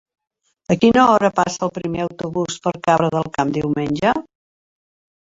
A quina hora passa el primer autobús per Cabra del Camp diumenge?